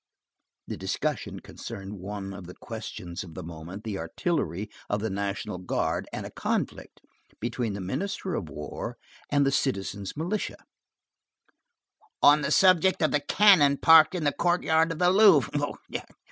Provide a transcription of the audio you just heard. The discussion concerned one of the questions of the moment, the artillery of the National Guard, and a conflict between the Minister of War and "the citizen's militia," on the subject of the cannon parked in the courtyard of the Louvre.